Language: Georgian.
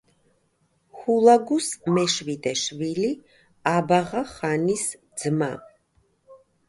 ჰულაგუს მეშვიდე შვილი, აბაღა-ხანის ძმა.